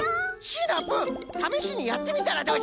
シナプーためしにやってみたらどうじゃ？